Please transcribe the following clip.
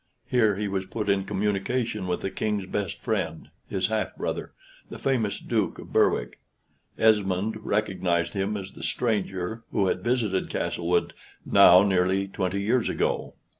Here he was put in communication with the King's best friend, his half brother, the famous Duke of Berwick; Esmond recognized him as the stranger who had visited Castlewood now near twenty years ago.